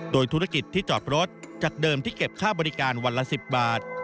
โดยธุรกิจที่จอดรถจากเดิมที่เก็บค่าบริการวันละ๑๐บาท